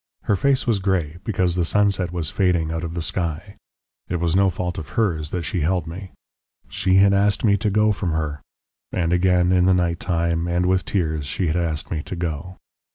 Her face was grey because the sunset was fading out of the sky. It was no fault of hers that she held me. She had asked me to go from her, and again in the night time and with tears she had asked me to go.